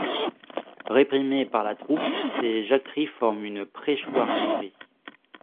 Réprimées par la troupe, ces jacqueries forment une pré-chouannerie.